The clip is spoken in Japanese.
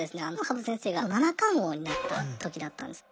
羽生先生が７冠王になった時だったんです。